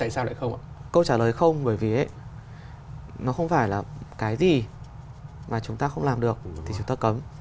câu trả lời không bởi vì nó không phải là cái gì mà chúng ta không làm được thì chúng ta cấm